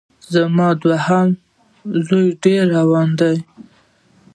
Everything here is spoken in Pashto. زما دوهم زوی ډېر وران دی